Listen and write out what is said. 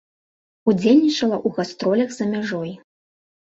Удзельнічала ў гастролях за мяжой.